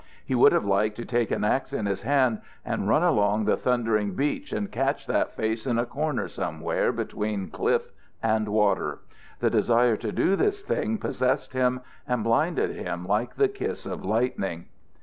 He would have liked to take an ax in his hand and run along the thundering beach and catch that face in a corner somewhere between cliff and water. The desire to do this thing possessed him and blinded him like the kiss of lightning.